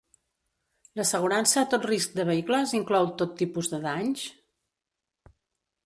L'assegurança a tot risc de vehicles inclou tot tipus de danys?